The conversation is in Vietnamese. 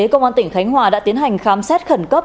công an tỉnh khánh hòa đã tiến hành khám xét khẩn cấp